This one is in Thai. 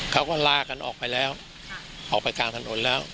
เขาก็ลากันออกไปแล้วออกไปกลางถนนแล้ว